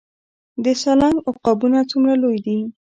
د سالنګ عقابونه څومره لوی دي؟